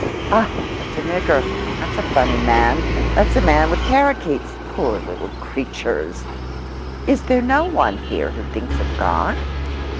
Ah, that's a nigger—that's a funny man—that's a man with parakeets—poor little creatures! Is there no one here who thinks of God?